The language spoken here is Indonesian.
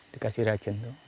dikasih racun tuh